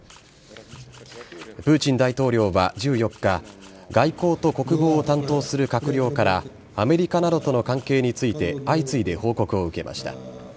プーチン大統領は１４日、外交と国防を担当する閣僚から、アメリカなどとの関係について、相次いで報告を受けました。